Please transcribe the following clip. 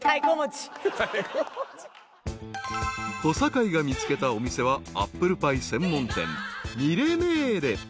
［小堺が見つけたお店はアップルパイ専門店］